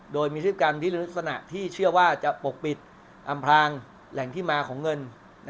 โดยมีศาสนาที่เชื่อว่าจะปกปิดอำพรางแหล่งที่มาของเงิน